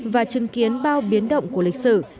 và chứng kiến bao biến động của lịch sử